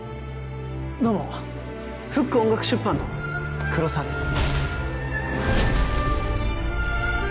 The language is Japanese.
どうもフック音楽出版の黒沢です